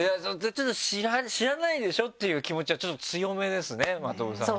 「知らないでしょ！」っていう気持ちはちょっと強めですね真飛さんね。